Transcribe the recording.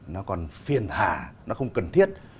nó còn phiền hà nó không cần thiết